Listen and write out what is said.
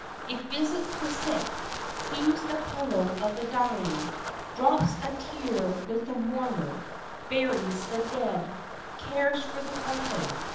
It visits the sick, soothes the pillow of the dying, drops a tear with the mourner, buries the dead, cares for the orphan.